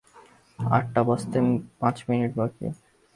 আটটা বাজতে পাঁচ মিনিট বাকি।